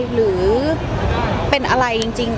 หรือเป็นอะไรจริง